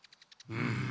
うん。